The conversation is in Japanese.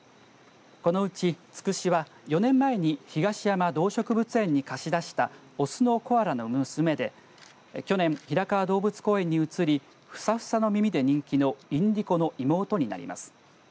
このうち、つくしは４年前に東山動植物園に貸し出した雄のコアラの娘で去年、平川動物公園に移りふさふさの耳で人気のインディコの妹になります。